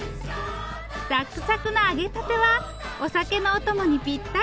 サックサクの揚げたてはお酒のお供にぴったり！